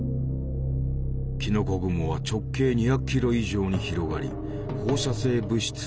キノコ雲は直径２００キロ以上に広がり放射性物質をまき散らした。